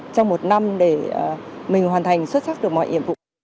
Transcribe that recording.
trong một năm để mình hoàn thành xuất sắc được mọi nhiệm vụ